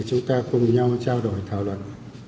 chúng ta cùng nhau trao đổi thảo luận